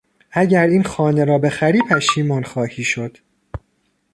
اگر این خانه را بخری پشیمان خواهی شد.